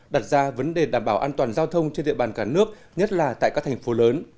đặt ra vấn đề đảm bảo an toàn giao thông trên địa bàn cả nước nhất là tại các thành phố lớn